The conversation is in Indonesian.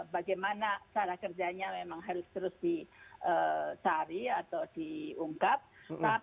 bagaimana cara kerjanya memang harus terus dicari atau diungkap